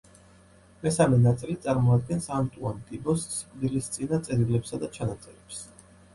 მესამე ნაწილი წარმოადგენს ანტუან ტიბოს სიკვდილისწინა წერილებსა და ჩანაწერებს.